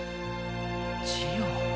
ジオ。